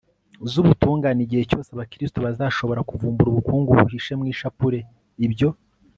z'ubutungane igihe cyose abakristu bazashobora kuvumbura ubukungu buhishe mu ishapule. ibyo